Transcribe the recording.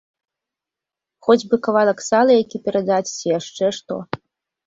Хоць бы кавалак сала які перадаць ці яшчэ што.